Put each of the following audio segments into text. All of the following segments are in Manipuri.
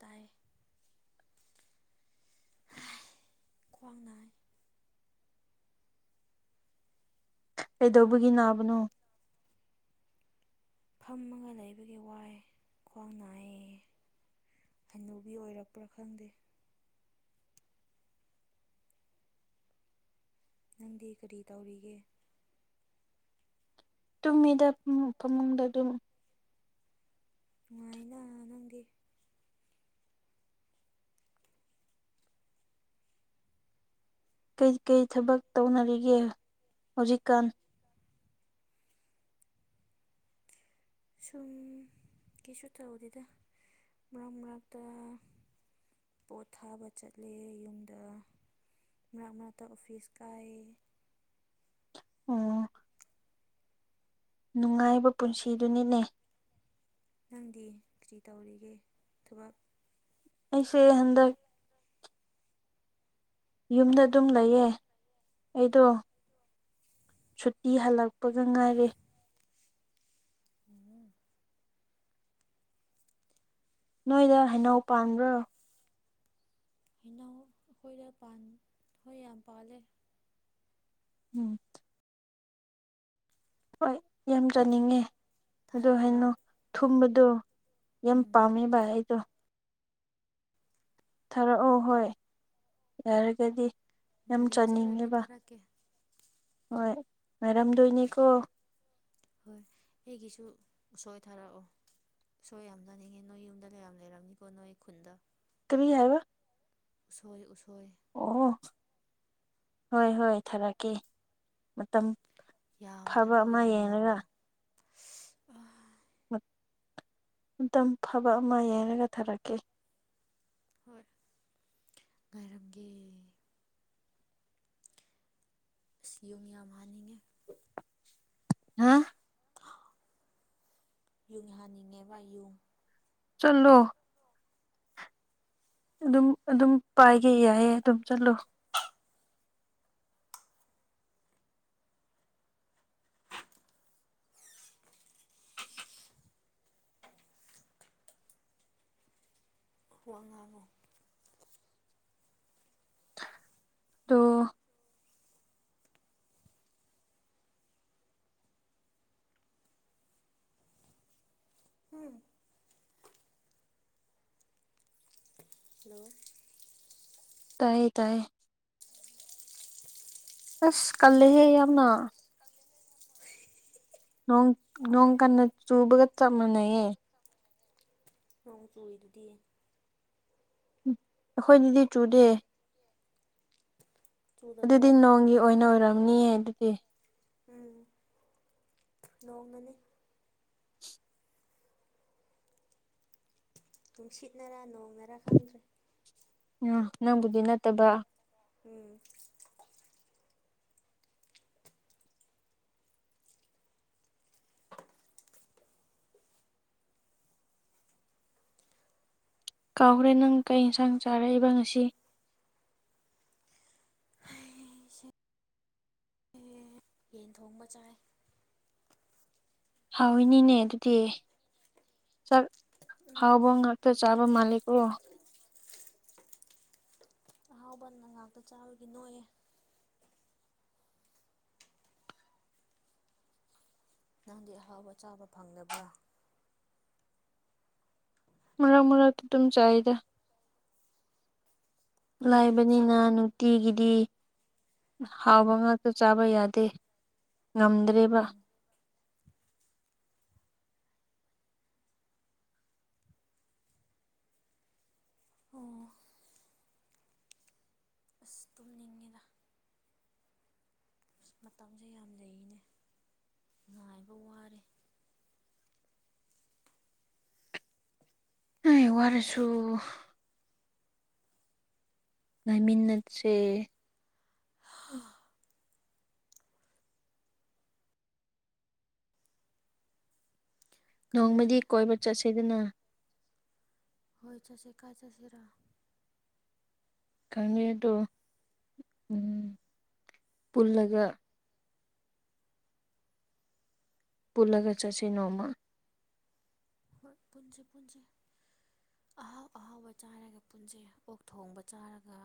ꯇꯥꯏ ꯈꯨ꯭ꯡꯅꯥꯥꯏ ꯀꯩꯗꯧꯕꯒꯤ ꯅꯥꯕꯅꯣ ꯐꯝꯃꯒ ꯂꯩꯕꯒꯤ ꯋꯥꯏ ꯈ꯭ꯋꯥꯡ ꯅꯥꯏꯌꯦ ꯍꯩꯅꯨꯕꯤ ꯑꯣꯏꯔꯛꯄ꯭ꯔꯥ ꯈꯪꯗꯦ ꯅꯪꯗꯤ ꯀꯔꯤ ꯇꯧꯔꯤꯒꯦ ꯇꯨꯡꯃꯤꯗ ꯐꯃꯨꯡꯗ ꯑꯗꯨꯝ ꯅꯨꯡꯉꯥꯏꯅ ꯅꯪꯒꯤ ꯀꯔꯤ ꯀꯔꯤ ꯊꯕꯛ ꯇꯧꯅꯔꯤꯒꯦ ꯍꯧꯖꯤꯛꯀꯥꯟ ꯁꯨꯝ ꯀꯩꯁꯨ ꯇꯧꯗꯦꯗ ꯃꯔꯛ ꯃꯔꯛꯇ ꯄꯣꯠ ꯊꯥꯕ ꯆꯠꯂꯦ ꯌꯨꯝꯗ ꯃ ꯃ ꯇ ꯑꯣꯐꯤꯁ ꯀꯥꯏ ꯑꯣ- ꯅꯨꯡꯉꯥꯏꯕ ꯄꯨꯟꯁꯤꯗꯨꯅꯤꯅꯦ ꯅꯪꯗꯤ ꯀꯔꯤ ꯇꯧꯔꯤꯒꯦ ꯊꯕꯛ ꯑꯩꯁꯦ ꯍꯟꯗꯛ ꯌꯨꯝꯗ ꯑꯗꯨꯝ ꯂꯩꯌꯦ ꯑꯩꯗꯣ ꯁꯨꯇꯤ ꯍꯜꯂꯛꯄꯒ ꯉꯥꯏꯔꯦ ꯎꯝ ꯅꯣꯏꯗ ꯍꯩꯅꯧ ꯄꯥꯟꯕ꯭ꯔꯣ ꯍꯩꯅꯧ ꯑꯩꯈꯣꯏꯗ ꯄꯥꯟ ꯍꯣꯏ ꯌꯥꯝ ꯄꯥꯜꯂꯦ ꯎꯝ ꯍꯣꯏ ꯌꯥꯝ ꯆꯥꯅꯤꯡꯉꯦ ꯑꯗꯣ ꯊꯥꯔꯛꯎꯔꯥ ꯍꯩꯅꯧ ꯊꯨꯝꯕꯗꯣ ꯌꯥꯝ ꯎꯝ ꯄꯥꯃꯤꯕ ꯑꯩꯗꯣ ꯊꯥꯔꯛꯑꯣ ꯍꯣꯏ ꯌꯥꯔꯒꯗꯤ ꯌꯥꯝ ꯒꯥꯔꯤ ꯆꯠꯂꯗꯤ ꯆꯥꯅꯤꯡꯉꯦꯕ ꯊꯥꯔꯛꯀꯦ ꯍꯣꯏ ꯉꯥꯏꯔꯝ ꯗꯣꯏꯅꯤꯀꯣ ꯍꯣꯏ ꯑꯩꯒꯤꯁꯨ ꯎꯁꯣꯏ ꯊꯥꯔꯛꯑꯣ ꯎꯁꯣꯏ ꯌꯥꯝ ꯆꯥꯅꯤꯡꯉꯦ ꯅꯣꯏ ꯌꯨꯝꯗ ꯂꯩ ꯌꯥꯝ ꯂꯩꯔꯝꯅꯤꯀꯣ ꯅꯣꯏ ꯈꯨꯟꯗ ꯀꯔꯤ ꯍꯥꯏꯕ ꯎꯁꯣꯏ ꯎꯁꯣꯏ ꯑꯣ ꯍꯣꯏ ꯍꯣꯏ ꯊꯥꯔꯛꯀꯦ ꯃꯇꯝ ꯌꯥꯝ ꯐꯕ ꯊꯥꯔꯛꯑꯣ ꯑꯃ ꯌꯥꯝ ꯌꯦꯡꯉꯒ ꯌꯥꯝꯅ ꯑ ꯃꯇꯝ ꯐꯕ ꯑꯃ ꯌꯦꯡꯔꯒ ꯊꯥꯔꯛꯀꯦ ꯍꯣꯏ ꯉꯥꯏꯔꯝꯒꯦ [unintelligible] ꯍꯥ [unintelligible] ꯌꯨꯡ ꯆꯂꯣ ꯑꯗꯨꯝ ꯑꯗꯨꯝ ꯄꯥꯏꯒꯦ ꯌꯥꯏꯌꯦ ꯑꯗꯨꯝ ꯆꯠꯂꯣ ꯋꯥ ꯉꯥꯡꯉꯣ ꯇꯣ ꯍꯝ ꯍꯂꯣ ꯇꯥꯏꯌꯦ ꯇꯥꯏꯌꯦ ꯑꯁ ꯀꯂꯦꯍꯦ ꯌꯥꯝꯅ ꯅꯣꯡ ꯅꯣꯡ ꯀꯟꯅ ꯆꯨꯕꯒ ꯆꯞ ꯃꯥꯟꯅꯩꯌꯦ ꯅꯣꯡ ꯆꯨꯏꯗꯨꯗꯤ ꯑꯩꯈꯣꯏꯗ ꯗꯤ ꯆꯨꯗꯦ ꯆꯨꯗꯕ꯭ꯔꯣ ꯑꯗꯨꯗꯤ ꯅꯣꯡꯒꯤ ꯑꯣꯏꯅ ꯑꯣꯏꯔꯝꯅꯤꯌꯦ ꯑꯗꯨꯗꯤ ꯎꯝ ꯅꯣꯡꯅꯅꯤ ꯅꯨꯡꯁꯤꯠꯅꯔꯥ ꯅꯣꯡꯅꯔꯥ ꯈꯪꯗ꯭ꯔꯦ ꯎꯝ ꯅꯪꯕꯨꯗꯤ ꯅꯠꯇꯕ ꯎꯝ ꯀꯥꯎꯈ꯭ꯔꯦ ꯅꯪ ꯀꯩ ꯏꯟꯁꯥꯡ ꯆꯥꯔꯛꯏꯕ ꯉꯁꯤ ꯑꯩꯁꯦ ꯌꯦꯟ ꯊꯣꯡꯕ ꯆꯥꯏ ꯍꯥꯎꯏꯅꯤꯅꯦ ꯑꯗꯨꯗꯤ ꯆꯥꯛ ꯎꯝ ꯍꯥꯎꯕ ꯉꯥꯛꯇ ꯆꯥ ꯕ ꯃꯥꯂꯤꯀꯣ ꯑꯍꯥꯎꯕꯅ ꯉꯥꯛꯇ ꯆꯥꯕꯒꯤ ꯅꯣꯏꯑꯦ ꯅꯪꯗꯤ ꯑꯍꯥꯎꯕ ꯆꯥꯕ ꯐꯪꯗꯕ꯭ꯔꯥ ꯃꯔꯛ ꯃꯔꯛꯇ ꯑꯗꯨꯝ ꯆꯥꯏꯗ ꯀꯔꯤ ꯀꯔꯤ ꯂꯥꯏꯕꯅꯤꯅ ꯆꯥꯕ꯭ꯔꯥ ꯅꯨꯡꯇꯤꯒꯤꯗꯤ ꯍꯥꯎꯕ ꯉꯥꯛꯇ ꯆꯥꯕ ꯌꯥꯗꯦ ꯉꯝꯗ꯭ꯔꯦꯕ ꯎꯝ ꯑꯣ ꯑꯁ ꯇꯨꯝꯅꯤꯡꯉꯤꯗ ꯑꯁ ꯃꯇꯝꯁꯦ ꯌꯥꯝ ꯂꯩꯅꯦ ꯉꯥꯏꯕ ꯋꯥꯔꯦ [unintelligible] ꯋꯥꯔꯁꯨ ꯉꯥꯏꯃꯤꯟꯅꯠꯁꯦ [unintelligible] ꯈꯪꯗ꯭ꯔꯦ ꯅꯣꯡꯃꯗꯤ ꯀꯣꯏꯕ ꯆꯠꯁꯦꯗꯅ ꯍꯣꯏ ꯆꯁꯦ ꯀꯥꯏ ꯆꯁꯤꯔ ꯀꯥꯡꯉꯗꯣ ꯄꯨꯜꯂꯒ ꯄꯨꯜꯂꯒ ꯆꯠꯁꯤ ꯅꯣꯡꯃ ꯍꯣꯏ ꯄꯨꯟꯁꯤ ꯄꯨꯟꯁꯤ ꯑꯍꯥꯎ ꯑꯍꯥꯎꯕ ꯆꯥꯏꯔꯒ ꯄꯨꯟꯁꯤ ꯑꯣꯛ ꯊꯣꯡꯕ ꯆꯥꯔꯒ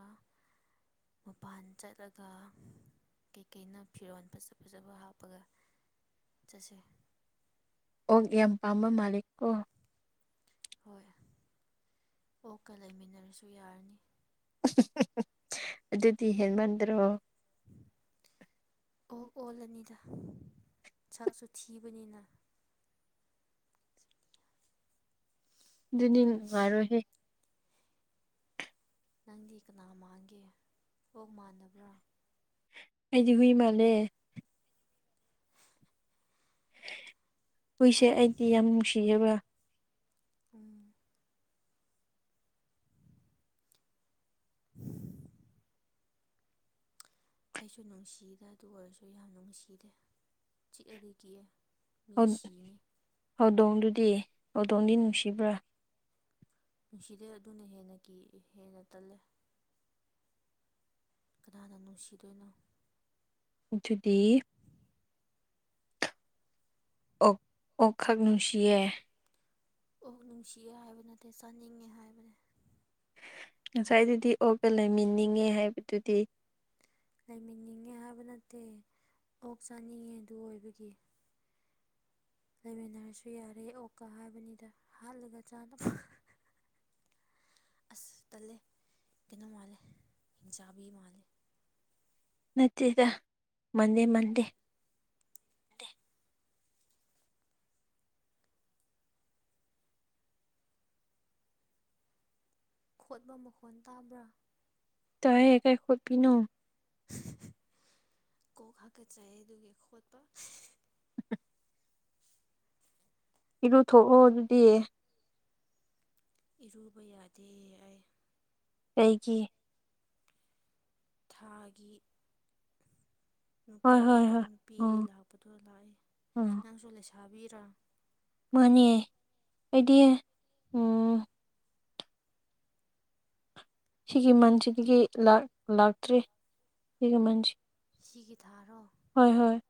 ꯃꯄꯥꯟ ꯆꯠꯂꯒ ꯀꯩꯀꯩꯅ ꯐꯤꯔꯣꯜ ꯐꯖ ꯐꯖꯕ ꯍꯥꯞꯄꯒ ꯆꯠꯁꯦ ꯑꯣꯛ ꯌꯥꯝ ꯄꯥꯝꯕ ꯃꯥꯂꯤꯛ ꯀꯣ ꯍꯣꯏ ꯑꯣꯀ ꯂꯩꯃꯤꯟꯅꯔꯁꯨ ꯌꯥꯔꯅꯤ ꯑꯗꯨꯗꯤ ꯍꯦꯟꯃꯟꯗ꯭ꯔꯣ ꯑꯣ ꯑꯣꯂꯅꯤꯗ ꯁꯥꯥꯛꯁꯨ ꯊꯤꯕꯅꯤꯅ ꯑꯗꯨꯅꯤ ꯅꯨꯡꯉꯔꯣꯍꯦ ꯅꯪꯗꯤ ꯀꯅꯥ ꯃꯥꯟꯒꯦ ꯑꯣꯣꯛ ꯃꯥꯟꯅꯕ꯭ꯔꯥ ꯑꯩꯗꯤ ꯍꯨꯏ ꯃꯥꯂꯦ ꯍꯨꯏꯁꯦ ꯑꯩꯗꯤ ꯌꯥꯝ ꯅꯨꯡꯁꯤꯖꯕ꯭ ꯎꯝ [inaudible] ꯑꯩꯁꯨ ꯅꯨꯡꯁꯤꯗ ꯑꯗꯨ ꯑꯣꯏꯔꯁꯨ ꯌꯥꯝ ꯅꯨꯡꯁꯤꯗꯦ ꯆꯤꯛꯑꯗꯤ ꯀꯤꯛꯑꯦ ꯃꯤꯁꯤꯅꯦ ꯍꯧꯗꯣꯡꯗꯨꯗꯤ ꯍꯧꯗꯣꯡꯗꯤ ꯅꯨꯡꯁꯤꯕ꯭ꯔꯥ ꯅꯨꯡꯁꯤꯗꯦ ꯑꯗꯨꯅ ꯍꯦꯟꯅ ꯀꯤ ꯍꯦꯟꯅ ꯇꯜꯂꯦ ꯀꯅꯥꯅ ꯅꯨꯡꯁꯤꯗꯣꯏꯅꯣ ꯑꯗꯨꯗꯤ ꯑꯣ ꯑꯣꯛꯈꯛ ꯅꯨꯡꯁꯤꯌꯦ ꯑꯣ ꯅꯨꯡꯁꯤꯌꯦ ꯍꯥꯏꯕꯅꯦ ꯉꯁꯥꯏꯗꯨꯗꯤ ꯑꯣꯒ ꯂꯩꯃꯤꯅꯤꯡꯉꯦ ꯍꯥꯏꯕꯗꯨꯗꯤ ꯂꯩꯃꯤꯅꯤꯡꯉꯦ ꯍꯥꯏꯕ ꯅꯠꯇꯦ ꯑꯣꯛ ꯆꯥꯅꯤꯡꯉꯦ ꯑꯗꯨ ꯑꯣꯏꯕꯒꯤ ꯂꯩꯃꯤꯟꯅꯔꯁꯨ ꯌꯥꯔꯦ ꯑꯣ ꯀ ꯍꯥꯏꯕꯅꯤꯗ ꯍꯥꯠꯂꯒ ꯆꯥꯅꯕ ꯑꯁ ꯇꯜꯂꯦ ꯀꯩꯅꯣ ꯃꯥꯜꯂꯦ ꯍꯤꯡꯖꯥꯕꯤ ꯃꯥꯜꯂꯦ ꯅꯠꯇꯦꯗ ꯃꯗꯦ ꯃꯟꯗꯦ ꯈꯣꯠꯄ ꯃꯈꯣꯟ ꯇꯥꯕ꯭ꯔꯥ ꯇꯑꯦ ꯀꯥꯏ ꯈꯣꯏꯠꯕꯤꯅꯣ ꯀꯣꯛ ꯍꯥꯀꯠꯆꯩ ꯑꯗꯨꯒꯒꯤ ꯈꯣꯠꯄ ꯏꯔꯨꯊꯣꯛꯑꯣ ꯑꯗꯨꯗꯤ ꯏꯔꯨꯕ ꯌꯥꯗꯦ ꯍꯥꯏ ꯑꯩꯩꯒꯤ ꯊꯥꯒꯤ ꯍꯣꯏ ꯅꯨꯄꯤ ꯍꯣꯏ ꯍꯣꯏ ꯎꯝ ꯅꯨꯄꯤꯒꯤ ꯂꯥꯛꯄꯗꯣ ꯂꯥꯛꯏ ꯅꯪꯁꯨ ꯂꯩꯁꯥꯕꯤꯔꯥ ꯃꯥꯅꯤꯌꯦ ꯍꯥꯏꯗꯤ ꯎꯝ ꯁꯤꯒꯤ ꯃꯟꯁꯤꯗꯒꯤ ꯂꯥꯛꯇ꯭ꯔꯤ ꯁꯤꯒꯤ ꯃꯟꯁꯤ ꯁꯤꯒꯤ ꯊꯥꯔꯣ ꯍꯣꯏ ꯍꯣꯏ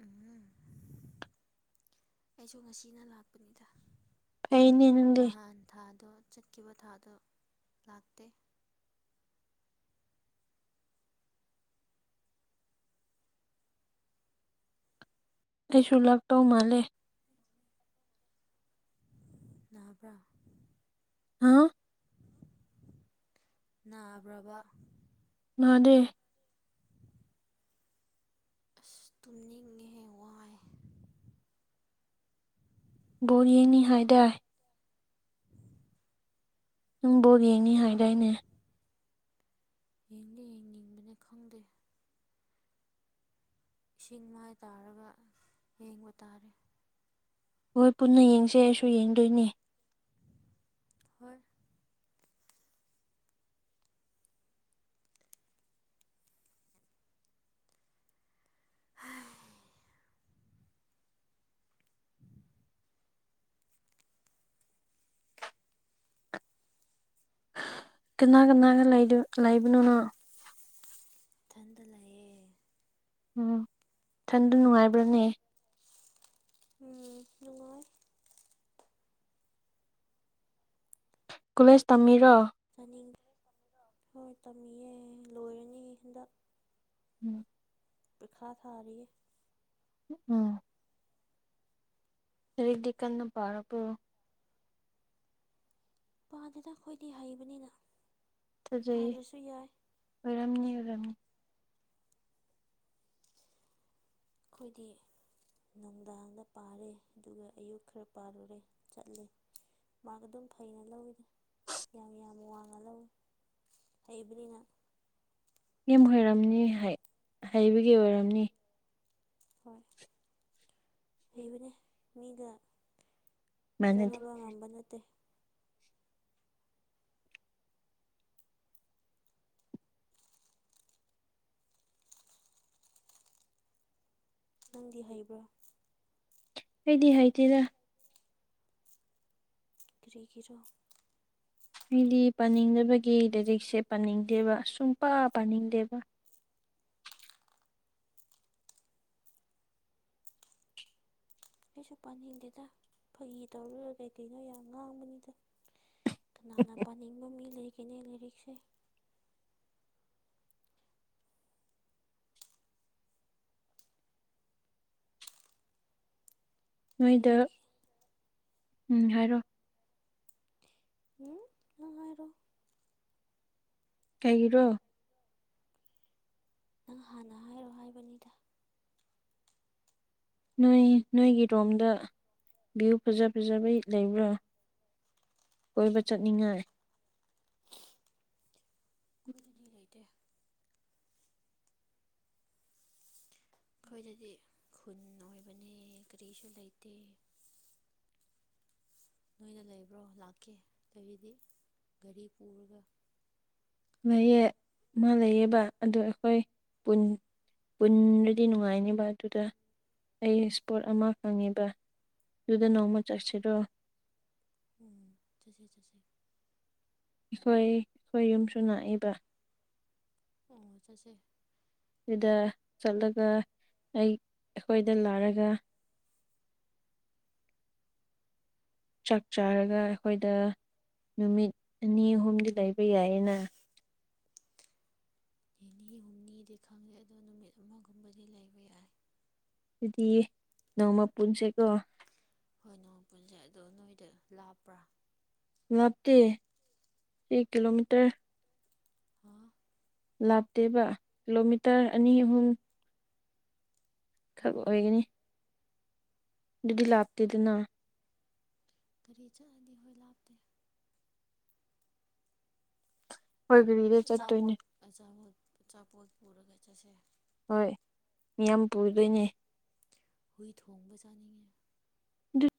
ꯎꯝ ꯑꯩꯁꯨ ꯉꯁꯤꯅ ꯂꯥꯛꯄꯅꯤꯗ ꯐꯩꯅꯦ ꯅꯪꯗꯤ ꯅꯍꯥꯟ ꯊꯥꯗꯣ ꯆꯠꯈꯤꯕ ꯊꯥꯗꯣ ꯂꯥꯛꯇꯦ ꯑꯩꯁꯨ ꯂꯥꯛꯇꯧ ꯃꯥꯜꯂꯦ ꯅꯥꯕꯔꯥ ꯍꯥꯎ ꯅꯥꯕ꯭ꯔꯕ ꯅꯤꯗꯦ ꯑꯁ ꯇꯨꯝꯅꯤꯡꯉꯦ ꯋꯥꯏ ꯕꯣꯌꯦꯅꯤ ꯍꯥꯏꯗꯥꯏ ꯅꯪꯕꯣꯛ ꯌꯦꯡꯅꯤ ꯍꯥꯏꯗꯥꯏꯅꯦ ꯏꯗꯤ ꯃ ꯈꯪꯗ ꯏꯁꯤꯡ ꯃꯥꯏ ꯇꯥꯔꯒ ꯌꯦꯡꯕ ꯇꯥꯔꯦ ꯍꯣꯏ ꯄꯨꯟꯅ ꯌꯦꯡꯁꯦ ꯑꯩꯁꯨ ꯌꯦꯡꯗꯣꯏꯅꯦ ꯍ ꯀꯅꯥ ꯀꯅꯥꯒ ꯂꯩꯗꯨ ꯂꯩꯥꯏꯕꯅꯅ ꯏꯊꯟꯗ ꯂꯩꯑꯦ ꯎꯝ ꯏꯊꯟꯗ ꯅꯨꯡꯉꯥꯏꯕ꯭ꯔꯥꯅꯦ ꯎꯝ ꯅꯨꯡꯉꯥꯏ ꯀꯨꯂꯦꯁ ꯇꯝꯃꯤꯔꯣ ꯆꯥꯅꯤꯡꯈ꯭ꯔꯦ ꯍꯣꯏ ꯇꯝꯃꯤꯌꯦ ꯂꯣꯏꯔꯅꯤ ꯍꯟꯗꯛ ꯎꯝ ꯄꯨꯈꯔꯥ ꯊꯥꯔꯤꯦ ꯎꯝ ꯔꯔꯤꯗꯤ ꯀꯟꯅ ꯄꯔꯄ ꯄꯥꯗꯅ ꯑꯩꯈꯣꯏꯗꯤ ꯍꯩꯕꯅꯤꯅ ꯊꯖꯩ ꯄꯥꯗ꯭ꯔꯁꯨ ꯌꯥꯏ ꯑꯣꯏꯔꯝꯅꯤ ꯑꯣꯏꯔꯝꯅꯤ ꯑꯩꯈꯣꯏꯗꯤ ꯅꯨꯡꯗꯥꯡꯗ ꯄꯥꯔꯦ ꯑꯗꯨꯒ ꯑꯌꯨꯛ ꯈꯔ ꯄꯥꯔꯨꯔꯦ ꯆꯠꯂꯦ ꯃꯥꯔ ꯑꯗꯨꯝ ꯐꯩꯅ ꯂꯧꯋꯤꯗ ꯌꯥꯝ ꯌꯥꯝ ꯋꯥꯡꯅ ꯂꯧꯋꯤ ꯏꯚꯅꯤ ꯨꯝ ꯍꯔꯝꯅꯤ ꯍꯩꯕꯒꯤ ꯑꯣꯏꯔꯝꯅꯤ ꯍꯣꯏ ꯍꯕꯅꯦ ꯃꯤꯗꯥ ꯃꯥꯟꯅꯗꯦ ꯆꯥꯅꯕ ꯉꯝꯕ ꯅꯠꯇꯦ ꯅꯪꯗꯤ ꯍꯩꯕ꯭ꯔꯥ ꯑꯩꯗꯤ ꯍꯥꯏꯗꯦꯔ ꯀꯔꯤꯒꯔꯣ ꯃꯤꯗꯤ ꯄꯥꯅꯤꯡꯗꯕꯒꯤ ꯂꯥꯏꯔꯤꯛꯁꯦ ꯄꯥꯅꯤꯡꯗꯦꯕ ꯁꯨꯡꯄꯥ ꯄꯥꯅꯤꯡꯗꯦꯕ ꯑꯩꯁꯨ ꯄꯥꯅꯤꯡꯗꯦꯗ ꯐꯩ ꯇꯧꯔꯨꯔ ꯀꯩ ꯀꯩꯅꯣ ꯌꯥꯝ ꯉꯥꯡꯕꯅꯤꯗ ꯀꯅꯥꯅ ꯄꯥꯅꯤꯡꯕ ꯃꯤ ꯂꯩꯒꯅꯤ ꯂꯥꯏꯔꯤꯛꯁꯦ ꯅꯣꯏꯗ ꯂꯥꯏꯔꯤꯛ ꯎꯝ ꯍꯥꯏꯔꯣ ꯅꯅꯨꯡꯉꯥꯏꯔꯣ ꯀꯩꯒꯤꯔꯣ ꯅꯪ ꯍꯥꯟꯅ ꯍꯥꯏꯔꯣ ꯍꯥꯏꯕꯅꯤꯗ ꯅꯣꯏ ꯅꯣꯏꯒꯤ ꯔꯣꯝꯗ ꯚ꯭ꯌꯨ ꯐꯖ ꯐꯖꯕꯩ ꯂꯩꯕ꯭ꯔꯥ ꯀꯣꯏꯕ ꯆꯠꯅꯤꯡꯉꯥꯏ ꯂꯩꯇꯦ ꯑꯩꯈꯣꯏꯗꯗꯤ ꯈꯨꯟ ꯑꯣꯏꯕꯅꯦ ꯀꯔꯤꯁꯨ ꯂꯩꯇꯦ ꯑꯟꯑꯣꯗꯤꯕꯜ ꯅꯣꯏꯅ ꯂꯩꯕ꯭ꯔꯣ ꯂꯥꯛꯀꯦ ꯂꯩꯔꯤꯗꯤ ꯒꯥꯔꯤ ꯄꯨꯔꯒ ꯂꯩꯌꯦ ꯃꯥ ꯂꯩꯌꯦꯕ ꯑꯗꯨ ꯑꯩꯈꯣꯏꯟ ꯄꯨꯟꯗꯗꯤ ꯅꯨꯡꯉꯥꯏꯅꯤꯕ ꯑꯗꯨꯗ ꯑꯩ ꯏꯁꯄꯣꯠ ꯑꯃ ꯐꯪꯉꯤꯕ ꯇꯗ ꯅꯃ ꯆꯥꯛꯁꯤꯦ ꯔꯣ ꯑꯝ ꯆꯠꯁꯤ ꯆꯠꯁꯤꯦ ꯑꯩꯈꯣꯏ ꯑꯩꯈꯣꯏ ꯌꯨꯝꯁꯨ ꯅꯥꯛꯏꯕ ꯑꯣ ꯆꯠꯁꯦ ꯑꯗꯨꯗ ꯆꯠꯂꯒ ꯑꯩ ꯑꯩꯈꯣꯏꯗ ꯂꯥꯔꯒ ꯆꯥꯛ ꯆꯥꯔꯒ ꯑꯩꯈꯣꯏꯗ ꯅꯨꯃꯤꯠ ꯑꯅꯤ ꯑꯍꯨꯝꯗꯤ ꯂꯩꯕ ꯌꯥꯏꯌꯦꯅ ꯅꯤꯅꯤ ꯍꯨꯝꯅꯤꯗꯤ ꯈꯪꯗꯦ ꯑꯗꯣ ꯅꯨꯃꯤꯠ ꯑꯃꯒꯨꯝꯕꯗꯤ ꯂꯩꯕ ꯌꯥꯏ ꯑꯗꯨꯗꯤ ꯅꯣꯡꯃ ꯄꯨꯟꯁꯦꯀꯣ ꯍꯣꯏ ꯅꯣꯡꯃ ꯄꯨꯟꯁꯦ ꯑꯗꯣ ꯅꯣꯏꯗ ꯂꯥꯞꯄ꯭ꯔꯥ ꯂꯥꯞꯇ‌ꯦ ꯁꯤ ꯀꯤꯂꯣꯃꯤꯇꯔ ꯍꯥ ꯂꯥꯞꯇꯦꯕ ꯀꯤꯂꯣꯃꯤꯇꯔ ꯑꯅꯤ ꯑꯍꯨꯝ ꯈꯛ ꯎꯝ ꯑꯣꯏꯒꯅꯤ ꯗꯨꯗꯤ ꯂꯥꯞꯇ‌ꯦꯗ ꯅ ꯒꯥꯔꯤ ꯆꯠꯂꯗꯤ ꯍꯣꯏ ꯂꯥꯞꯇꯦ ꯍꯣꯏ ꯒꯔꯤꯗ ꯆꯠꯇꯣꯏꯅꯦ ꯑꯆꯥꯄꯣꯠ ꯑꯆꯥꯄꯣꯠ ꯑꯆꯥꯄꯣꯠ ꯄꯨꯔꯒ ꯆꯠꯁꯦ ꯍꯣꯏ ꯃꯤꯌꯥꯝ ꯄꯨꯗꯣꯏꯅꯦ ꯍꯨꯏ ꯊꯣꯡꯕ ꯆꯥꯅꯤꯡꯉꯤ ꯑꯗꯨ